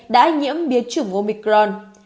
đã nhiễm biến chủng omicron